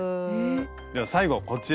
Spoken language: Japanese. では最後こちらです。